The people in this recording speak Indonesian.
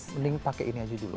mending pakai ini aja dulu